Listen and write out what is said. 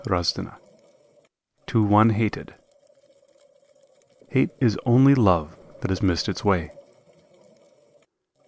151 TO ONE HATED "Hate is only Love that has missed its way."